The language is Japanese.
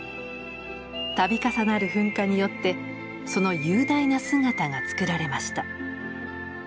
度重なる噴火によってその雄大な姿がつくられました。